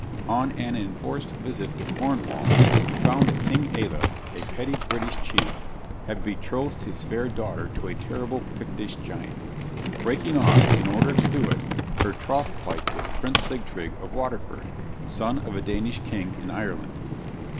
On an enforced visit to Cornwall, he found that King Alef, a petty British chief, had betrothed his fair daughter to a terrible Pictish giant, breaking off, in order to do it, her troth plight with Prince Sigtryg of Waterford, son of a Danish king in Ireland.